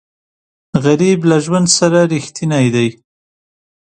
غریب له ژوند سره رښتینی دی